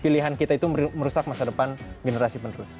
pilihan kita itu merusak masa depan generasi penerus